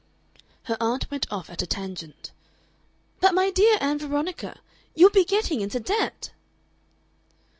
Her aunt went off at a tangent. "But my dear Ann Veronica, you will be getting into debt!"